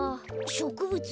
しょくぶつ？